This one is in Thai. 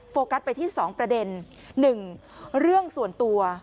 โฟกัสไปที่สองประเด็นหนึ่งเรื่องส่วนตัว